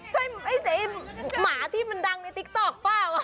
ใช่ไม่ใช่หมาที่มันดังในติ๊กต๊อกเปล่า